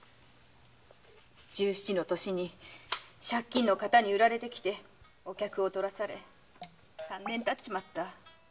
十七の年に借金のカタに売られてきて客をとらされ三年経っちまった。